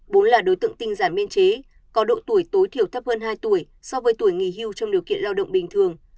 bốn là đối tượng tinh giản biên chế có độ tuổi tối thiểu thấp hơn hai tuổi so với tuổi nghỉ hưu trong điều kiện lao động bình thường